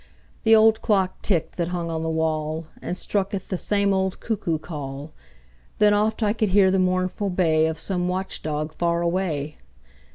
The old clock ticked that hung on the wall And struck 'th the same old cuckoo call; Then oft I could hear the mournful bay Of some watch dog far away.